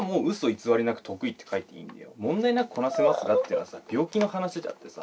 確かにここはもう「問題なくこなせますが」っていうのはさ病気の話であってさ